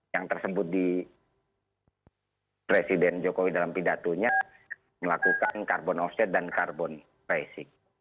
yang tersebut di presiden jokowi dalam pidatonya melakukan carbon offset dan carbon tracing